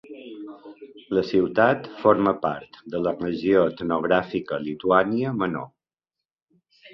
La ciutat forma part de la regió etnogràfica Lituània Menor.